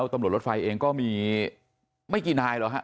ตำรวจรถไฟเองก็มีไม่กี่นายหรอกฮะ